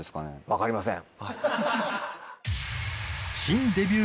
分かりません。